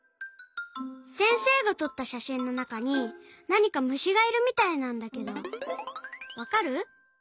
せんせいがとったしゃしんのなかになにかむしがいるみたいなんだけどわかる？